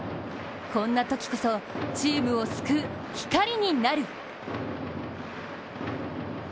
こんなときこそ、チームを救う光になる。